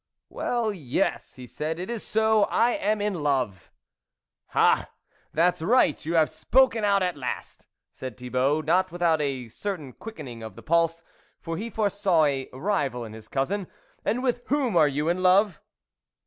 " Well, yes !" he said, " it is so, I am in love !"" Ah ! that's right ! you have spoken out at last !" said Thibault, not without a certain quickening of the pulse, for he foresaw a rival in his cousin, " and with whom are you in love